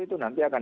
itu nanti akan